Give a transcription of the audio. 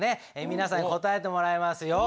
皆さんに答えてもらいますよ。